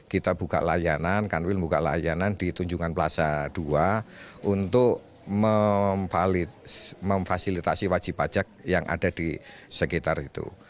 kita buka layanan kanwil buka layanan di tunjungan plaza dua untuk memfasilitasi wajib pajak yang ada di sekitar itu